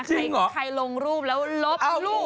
ใครลงรูปแล้วลบรูป